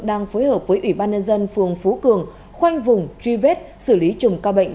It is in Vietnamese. đang phối hợp với ủy ban nhân dân phường phú cường khoanh vùng truy vết xử lý chùm ca bệnh